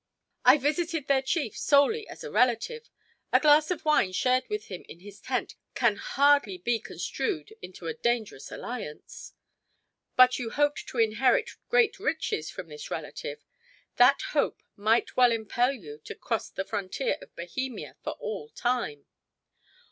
"I visited their chief solely as a relative. A glass of wine shared with him in his tent can hardly be construed into a dangerous alliance!" "But you hoped to inherit great riches from this relative. That hope might well impel you to cross the frontier of Bohemia for all time."